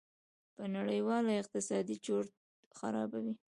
په نړېوال اقتصاد چورت خرابوي.